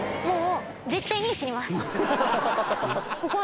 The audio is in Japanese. もう。